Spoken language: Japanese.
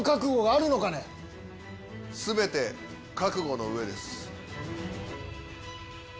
すべて覚悟の上です。